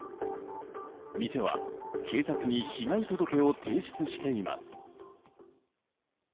店は警察に被害届を提出しています。